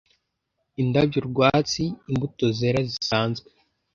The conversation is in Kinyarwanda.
indabyo rwatsi imbuto zera zisanzwe